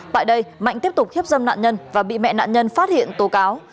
tại đây mạnh tiếp tục hiếp dâm nạn nhân và bị mẹ nạn nhân phát hiện tố cáo